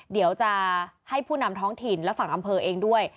เดี๋ยวจะให้ผู้นำท้องถิ่นและฝั่งอำเภอเองด้วย